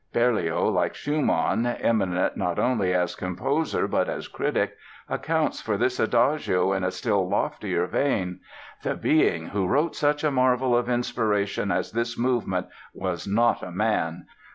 Berlioz, like Schumann eminent not only as composer but as critic, accounts for this Adagio in a still loftier vein: "The being who wrote such a marvel of inspiration as this movement was not a man.